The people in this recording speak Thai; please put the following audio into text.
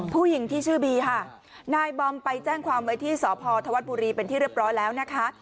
ผู้หญิงที่ชื่อบีค่ะนายบอมไปแจ้งความไว้ที่สพธวัฒน์บุรีเป็นที่เรียบร้อยแล้วนะคะ